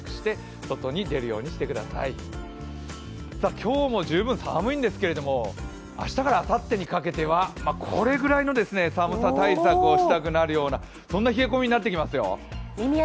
今日も十分寒いんですけれども、明日からあさってにかけてはこれぐらいの寒さ対策をしたくなるような冷え込みになってきますよ。